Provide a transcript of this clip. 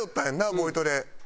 ボイトレ。